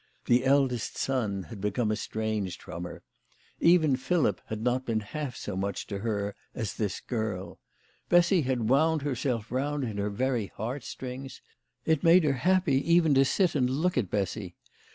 The eldest son had become estranged from her. Even Philip had not been half so much to her as this girl. Bessy had wound herself round her very heartstrings. It made her happy even to sit and look at Bessy.